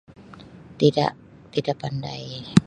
Tidak, tidak pandai